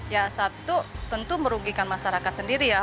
ya satu tentu merugikan masyarakat sendiri ya